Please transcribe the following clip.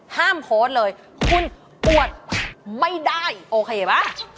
โพสต์เลยคุณอวดไม่ได้โอเคป่ะ